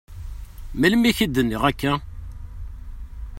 Melmi k-d-nniɣ akka?